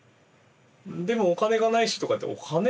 でもお金がないしとかお金？